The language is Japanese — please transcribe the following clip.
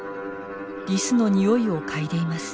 リスのニオイを嗅いでいます。